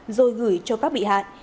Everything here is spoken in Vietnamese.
rồi gửi cho các bị hại